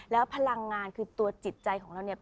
แล้วพลังงานคือตัวจิตใจของเราเนี่ย